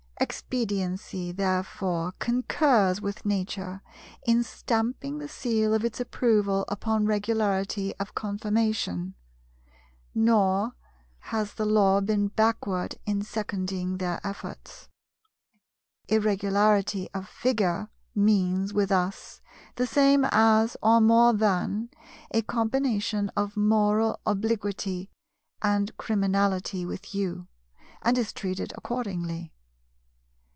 Expediency therefore concurs with Nature in stamping the seal of its approval upon Regularity of conformation: nor has the Law been backward in seconding their efforts. "Irregularity of Figure" means with us the same as, or more than, a combination of moral obliquity and criminality with you, and is treated accordingly.